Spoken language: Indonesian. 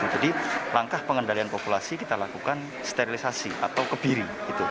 jadi langkah pengendalian populasi kita lakukan sterilisasi atau kebiri